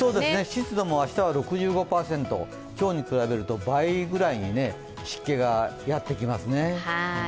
湿度も明日は６５％、今日に比べると倍ぐらいに湿気がやってきますね。